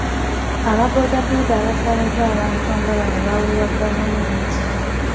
Aba bbooda bbooda abasaabaza abantu nga bano baawerwa gavumenti.